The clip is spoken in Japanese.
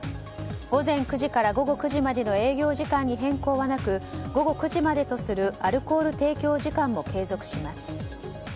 午前９時から午後９時までの営業時間に変更はなく、午後９時までとするアルコール提供時間も継続します。